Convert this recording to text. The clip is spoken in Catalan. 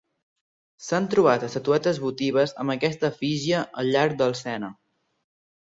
S'han trobat estatuetes votives amb aquesta efígie al llarg del Sena.